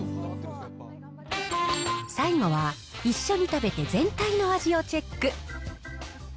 最後は、一緒に食べて全体の味をチェック。